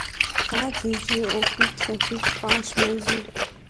Къабзэ икӏи ӏэхуит-лъэхуит хъуащ мэзыр.